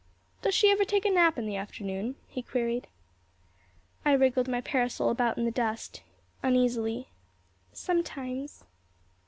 "Does she ever take a nap in the afternoon?" he queried. I wriggled my parasol about in the dust uneasily. "Sometimes."